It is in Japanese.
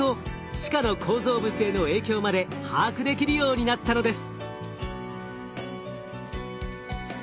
地下の構造物への影響まで把握できるようになったのです。